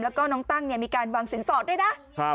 แล้วก็น้องตั้งเนี่ยมีการวางสินสอดด้วยนะ